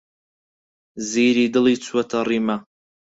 زیری دڵی چووەتە ڕیما.